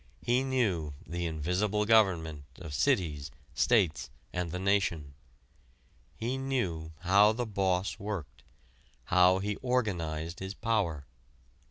He knew the "invisible government" of cities, states, and the nation. He knew how the boss worked, how he organized his power.